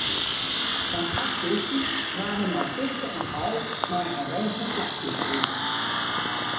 Sa'n acht bisten waarden mei kiste en al nei in rêstich plakje ferhuze.